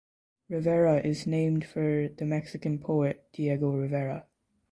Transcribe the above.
Rivera is named for the Mexican poet Diego Rivera.